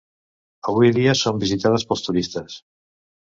Avui dia són visitades pels turistes.